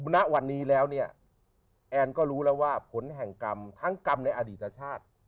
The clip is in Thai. ณวันนี้แล้วเนี่ยแอนก็รู้แล้วว่าผลแห่งกรรมทั้งกรรมในอดีตชาติ